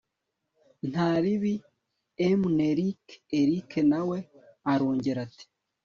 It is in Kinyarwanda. ntaribi mn erick erick nawe arongera ati